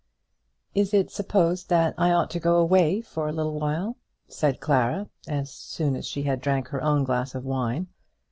"Is it supposed that I ought to go away for a little while?" said Clara, as soon as she had drank her own glass of wine.